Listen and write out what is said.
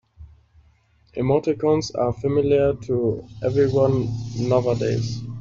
Emoticons are familiar to everyone nowadays.